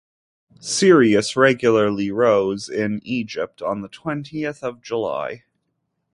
Sirius regularly rose in Egypt on the twentieth of July.